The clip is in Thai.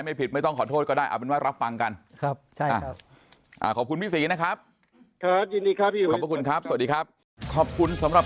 ตอนนี้ก็ต้องขอโทษทุกคนในภาคการเมืองทุกภาคนะครับ